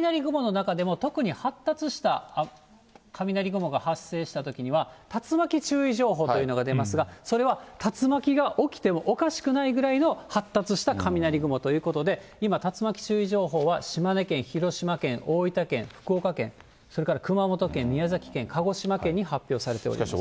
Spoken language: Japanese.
雷雲の中でも、特に発達した雷雲が発生したときには、竜巻注意情報というのが出ますが、それは竜巻が起きてもおかしくないぐらいの発達した雷雲ということで、今、竜巻注意情報は島根県、広島県、大分県、福岡県、それから熊本県、宮崎県、鹿児島県に発表されております。